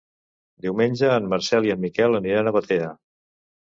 Diumenge en Marcel i en Miquel aniran a Batea.